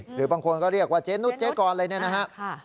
หรือบางคนก็เรียกว่าเจนุสเจ๊กรอะไรเนี่ยนะฮะ